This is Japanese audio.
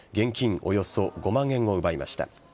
およそ５万円を奪いました。